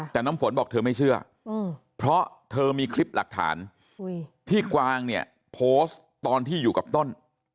แต่น้ำฝนบอกเธอไม่เชื่อเพราะเธอมีคลิปหลักฐานที่กวางเนี่ยโพสต์ตอนที่อยู่กับต้น